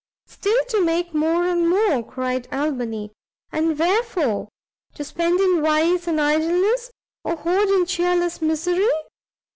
"Still to make more and more," cried Albany, "and wherefore? to spend in vice and idleness, or hoard in chearless misery!